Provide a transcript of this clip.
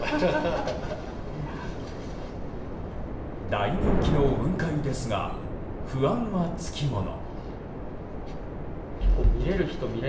大人気の雲海ですが不安はつきもの。